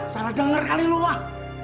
salah denger kali lo ah